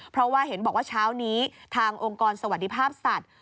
เพราะว่าเห็นบอกว่าเช้านี้ทางองค์กรสวัสดิภาพสัตว์